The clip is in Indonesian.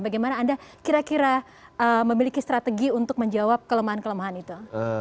bagaimana anda kira kira memiliki strategi untuk menjawab kelemahan kelemahan itu